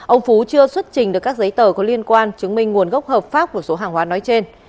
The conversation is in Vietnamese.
ông phú chưa xuất trình được các giấy tờ có liên quan chứng minh nguồn gốc hợp pháp của số hàng hóa nói trên